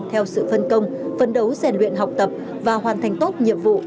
theo sự phân công phấn đấu rèn luyện học tập và hoàn thành tốt nhiệm vụ